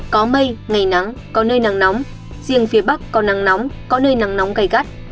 có mây ngày nắng có nơi nắng nóng riêng phía bắc có nắng nóng có nơi nắng nóng gây gắt